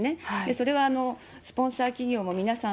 それはスポンサー企業も皆さん